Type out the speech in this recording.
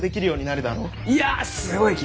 いやすごいき！